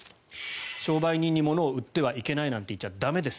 商売人に物を売ってはいけないなんて言っちゃ駄目です。